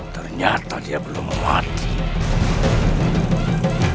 ternyata dia belum mati